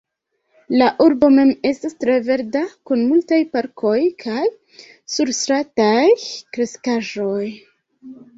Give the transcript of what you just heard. La urbo mem estas tre verda, kun multaj parkoj kaj surstrataj kreskaĵoj.